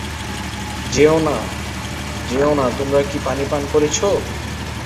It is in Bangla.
যেও না, যেও না তোমরা কি পানি পান করেছো?